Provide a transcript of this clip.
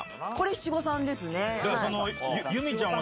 七五三ですね。